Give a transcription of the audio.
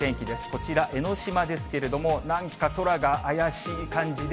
こちら江の島ですけれども、なんか空が怪しい感じで。